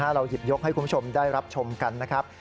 เราหยิบยกให้คุณผู้ชมได้รับชมกันนะครับ